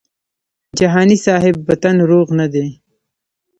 جهاني صاحب په تن روغ نه دی.